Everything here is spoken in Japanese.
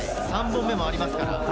３本目もありますから。